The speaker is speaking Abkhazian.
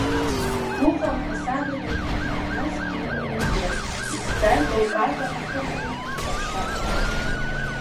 Уҟам ҳәа санаҳәеит ахааназгьы уӡран, исзасит Даугава ахықәан ҽа ԥшак.